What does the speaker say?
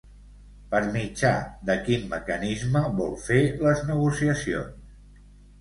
Per mitjà de quin mecanisme vol fer les negociacions?